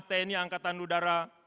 tni angkatan udara